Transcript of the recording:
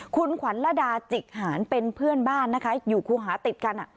คุณขวัญละดาจิกหานเป็นเพื่อนบ้านนะคะอยู่ครูหาติดกัน